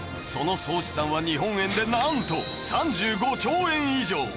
その総資産は日本円でなんと３５兆円以上！